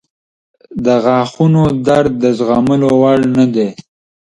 • د غاښونو درد د زغملو وړ نه دی.